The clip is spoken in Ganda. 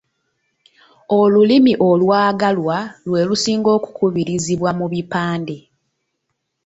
Olulimi olwagalwa lwe lusinga okukubirizibwa mu bupande.